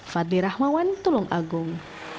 fadli rahmawan tulung agung